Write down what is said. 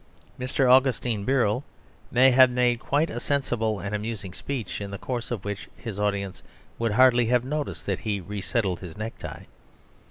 Mr. Augustine Birrell may have made quite a sensible and amusing speech, in the course of which his audience would hardly have noticed that he resettled his necktie.